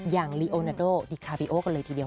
อย่างลีโอนาโตดิคาร์บีโอก็เลยทีเดียว